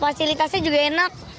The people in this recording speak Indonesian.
fasilitasnya juga enak